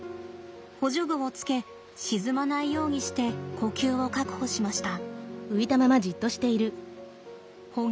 補助具をつけ沈まないようにして呼吸を確保しました。